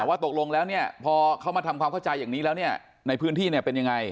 ว่าตกลงแล้วเนี่ยพอเขามาทำความเข้าใจอย่างนี้แล้วเนี่ยในพื้นที่เนี่ยเป็นยังไง